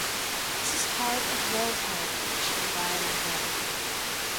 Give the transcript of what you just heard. This is part of World Heritage in Gaelanguel.